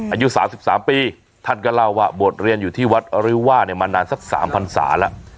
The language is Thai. อายุสามสิบสามปีท่านก็เล่าว่าบทเรียนอยู่ที่วัดอริวว่าเนี่ยมานานสักสามพันศาแล้ว